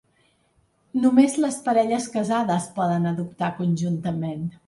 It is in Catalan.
Només les parelles casades poden adoptar conjuntament.